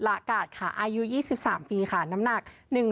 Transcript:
ละกาดค่ะอายุ๒๓ปีค่ะน้ำหนัก